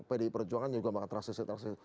pdi perjuangan yang juga makan transisi